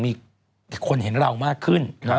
มีคนเห็นเรามากขึ้น